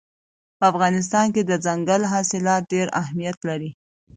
په افغانستان کې دځنګل حاصلات ډېر اهمیت لري.